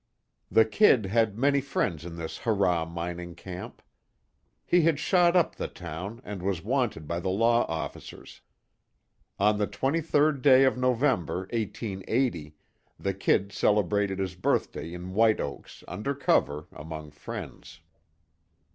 The "Kid" had many friends in this hurrah mining camp. He had shot up the town, and was wanted by the law officers. On the 23rd day of November, 1880, the "Kid" celebrated his birthday in White Oaks, under cover, among friends.